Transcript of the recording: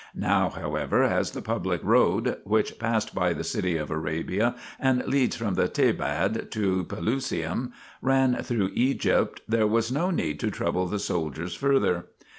Now, however, as the public road which passed by the city of Arabia and leads from the Thebaid to Pelusium ran through Egypt, there was no need to trouble the soldiers further.